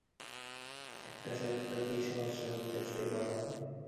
একটা সত্য কি সহস্র মিথ্যার চেয়ে বড়ো নয়?